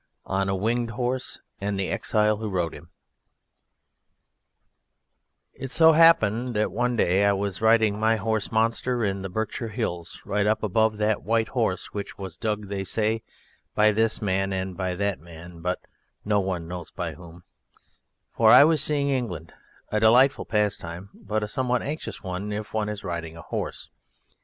ON A WINGED HORSE AND THE EXILE WHO RODE HIM It so happened that one day I was riding my horse Monster in the Berkshire Hills right up above that White Horse which was dug they say by this man and by that man, but no one knows by whom; for I was seeing England, a delightful pastime, but a somewhat anxious one if one is riding a horse.